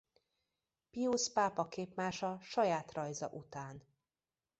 Piusz pápa képmása saját rajza után.